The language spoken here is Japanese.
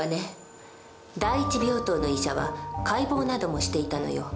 第一病棟の医者は解剖などもしていたのよ。